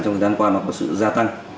trong thời gian qua nó có sự gia tăng